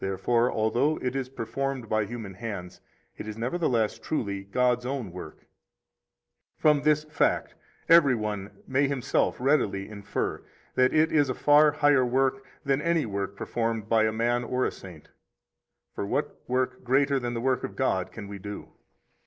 Therefore, although it is performed by human hands, it is nevertheless truly God's own work. From this fact every one may himself readily infer that it is a far higher work than any work performed by a man or a saint. For what work greater than the work of God can we do?